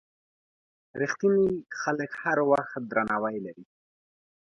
رښتیني خلک هر وخت درناوی لري.